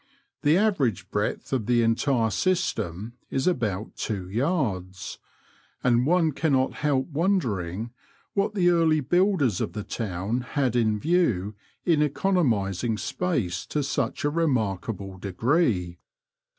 The average breadth of the entire system is about two yards, and one cannot help wondering what the early builders of the town had in view in economising space to such a remarkable degree.